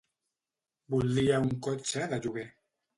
Voldria un cotxe de lloguer.